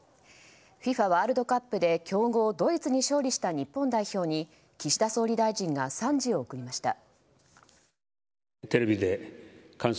ワールドカップで強豪ドイツに勝利した日本代表に岸田総理大臣が賛辞を送りました。